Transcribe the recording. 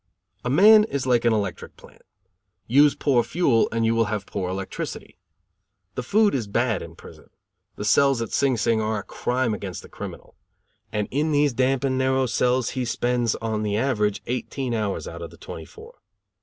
A man is like an electric plant. Use poor fuel and you will have poor electricity. The food is bad in prison. The cells at Sing Sing are a crime against the criminal; and in these damp and narrow cells he spends, on the average, eighteen hours out of the twenty four.